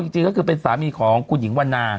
จริงก็คือเป็นสามีของคุณหญิงวันนา